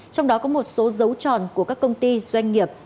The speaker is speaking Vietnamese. trong đó có một số dấu tròn của các công ty doanh nghiệp